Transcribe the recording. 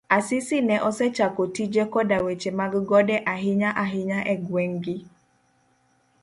Asisi ne osechako tije koda weche mag gode ahinya hinya e gweng' gi.